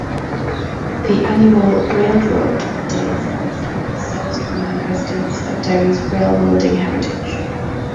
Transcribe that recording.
The annual "Railroad Days Festival" serves to remind residents of Derry's railroading heritage.